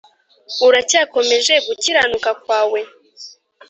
uracyakomeje gukiranuka kwawe?